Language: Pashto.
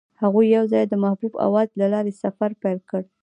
هغوی یوځای د محبوب اواز له لارې سفر پیل کړ.